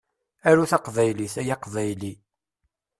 Aru taqbaylit, ay Aqbayli.